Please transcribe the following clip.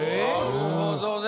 なるほどね。